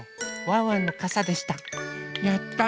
ワンワンのかさでした。